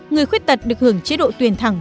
người khuyết tật được hưởng chế độ tuyển thẳng